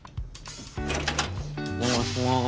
お邪魔します。